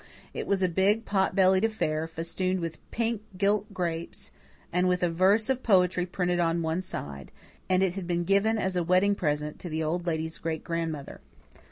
It was a big, pot bellied affair, festooned with pink gilt grapes, and with a verse of poetry printed on one side, and it had been given as a wedding present to the Old Lady's great grandmother.